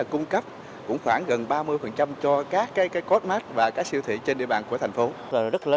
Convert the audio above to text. cung cấp khoảng gần ba mươi cho các cốt mát và các siêu thị trên địa bàn của thành phố